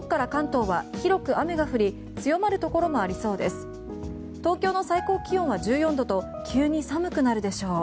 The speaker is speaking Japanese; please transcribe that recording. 東京の最高気温は１４度と急に寒くなるでしょう。